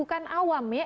bukan awam ya